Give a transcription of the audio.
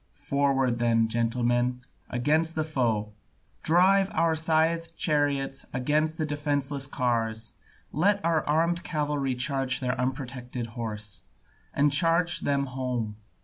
Forward then, gentlemen, against the foe; drive our scythed chariots against their defenceless cars, let our armed cavalry charge their unprotected horse, and charge them home.